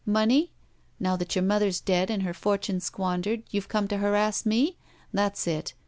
Money? Now that your mother is dead and her forttme squandered, you've come to harass me? That's it!